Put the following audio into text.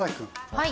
はい。